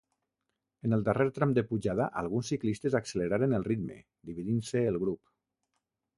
En el darrer tram de pujada alguns ciclistes acceleraren el ritme, dividint-se el grup.